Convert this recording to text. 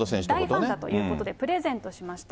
大ファンだということで、プレゼントしました。